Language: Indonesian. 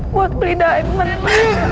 buat beli diamond